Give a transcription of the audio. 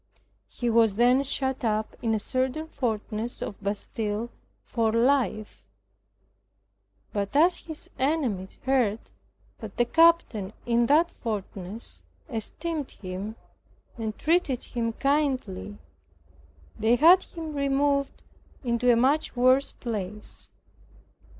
He was then shut up in a certain fortress of the Bastile for life; but as his enemies heard that the captain in that fortress esteemed him, and treated him kindly, they had him removed into a much worse place.